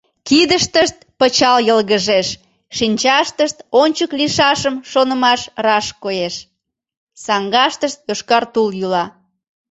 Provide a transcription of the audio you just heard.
Кидыштышт пычал йылгыжеш, шинчаштышт ончык лийшашым шонымаш раш коеш, саҥгаштышт йошкар тул йӱла...